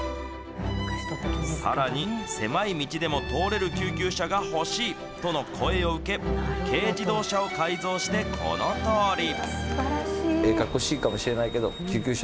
さらに、狭い道でも通れる救急車が欲しいとの声を受け、軽自動車を改造してこのとおり。